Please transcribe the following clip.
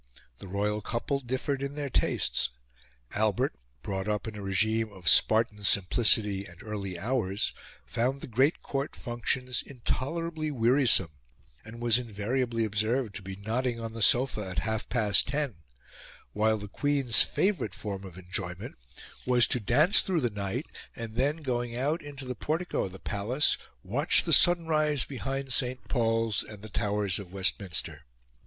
The royal couple differed in their tastes. Albert, brought up in a regime of Spartan simplicity and early hours, found the great Court functions intolerably wearisome, and was invariably observed to be nodding on the sofa at half past ten; while the Queen's favourite form of enjoyment was to dance through the night, and then, going out into the portico of the Palace, watch the sun rise behind St. Paul's and the towers of Westminster.